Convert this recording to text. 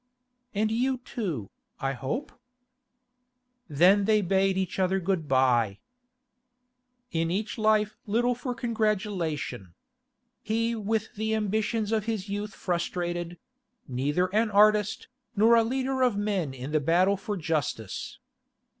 'And you too, I hope?' Then they bade each other good bye. ... In each life little for congratulation. He with the ambitions of his youth frustrated; neither an artist, nor a leader of men in the battle for justice.